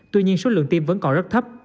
tuy nhiên số lượng tiêm vẫn còn rất thấp